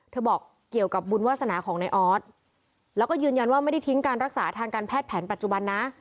บอกเกี่ยวกับบุญวาสนาของในออสแล้วก็ยืนยันว่าไม่ได้ทิ้งการรักษาทางการแพทย์แผนปัจจุบันนะ